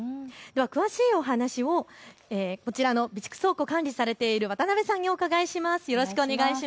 詳しいお話をこちらの備蓄倉庫を管理されている渡邉さんにお伺いします。